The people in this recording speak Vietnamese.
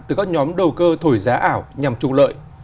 từ các nhóm đầu cơ thổi giá ảo nhằm trục lợi